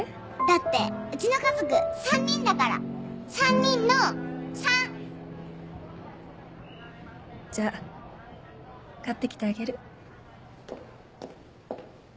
だってうちの家族３人だから３人の３！じゃあ買って来てあげる。